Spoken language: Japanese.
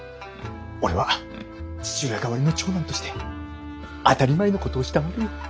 「俺は父親代わりの長男として当たり前のことをしたまでよ」。